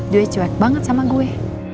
duit cuek banget sama gue